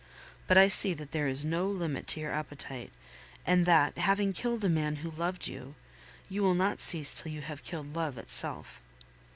But I see that there is no limit to your appetite, and that, having killed a man who loved you, you will not cease till you have killed love itself.